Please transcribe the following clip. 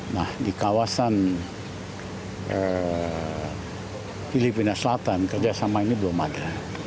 nah di kawasan filipina selatan kerjasama ini belum ada